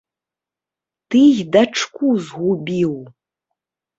Ты і дачку згубіў!